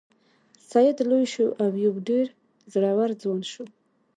سید لوی شو او یو ډیر زړور ځوان شو.